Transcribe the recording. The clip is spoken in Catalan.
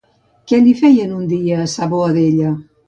Què feien un dia a sa Boadella?